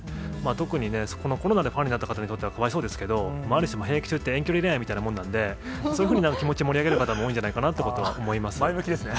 特に、コロナでファンになった方にはかわいそうですけど、ある意味、兵役って遠距離恋愛みたいなものですから、そういうふうになる気持ちを盛り上げる方も多いんじゃないかなということは思いますね。